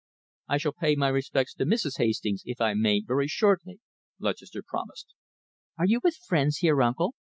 "I shall pay my respects to Mrs. Hastings, if I may, very shortly," Lutchester promised. "Are you with friends here, uncle?"